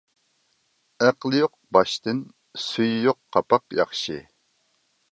ئەقلى يوق باشتىن سۈيى يوق قاپاق ياخشى.